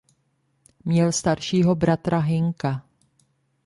Měl staršího bratra Hynka.